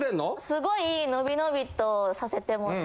すごい伸び伸びとさせてもら。